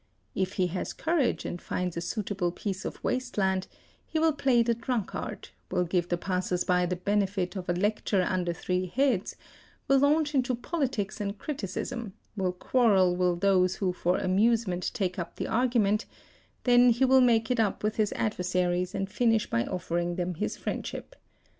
If he has courage and finds a 7 suitable piece of waste land, he will play the drunkard, will give the | passers by the benefit of a lecture under three heads, will launch into politics and criticism, will quarrel with those who for amusement take up the argument, then he will make it up with his adversaries and finish by offering them his friendship.